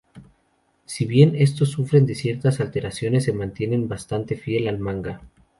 Si bien estos sufren de ciertas alteraciones, se mantienen bastante fiel al manga.